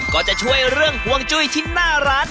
ก็จะช่วยเรื่องห่วงจุ้ยที่หน้าร้าน